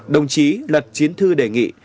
đồng chí lật chiến thư đề nghị